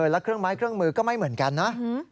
แล้วเครื่องไม้เครื่องมือก็ไม่เหมือนกันนะ